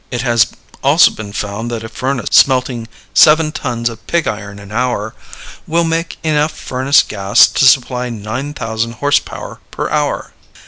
It has also been found that a furnace smelting seven tons of pig iron an hour will make enough furnace gas to supply nine thousand horse power per hour.